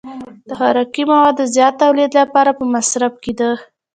د خوراکي موادو زیات تولید لپاره به مصرف کېده.